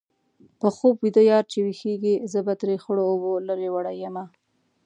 په خوب ویده یار چې ويښېږي-زه به ترې خړو اوبو لرې وړې یمه